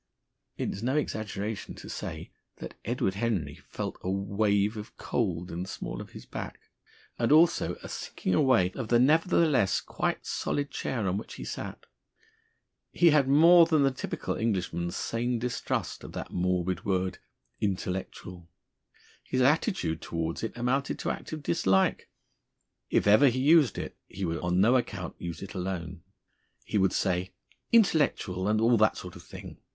It is no exaggeration to say that Edward Henry felt a wave of cold in the small of his back, and also a sinking away of the nevertheless quite solid chair on which he sat. He had more than the typical Englishman's sane distrust of that morbid word "Intellectual." His attitude towards it amounted to active dislike. If ever he used it, he would on no account use it alone; he would say, "Intellectual, and all that sort of thing!"